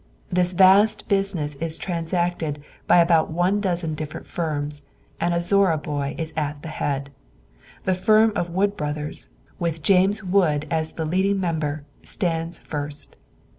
This vast business is transacted by about one dozen different firms, and a Zorra boy is at the head. The firm of Wood Brothers, with James Wood as the leading member, stands first.